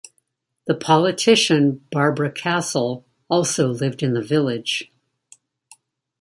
The politician Barbara Castle also lived in the village.